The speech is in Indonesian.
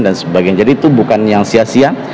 dan sebagainya jadi itu bukan yang sia sia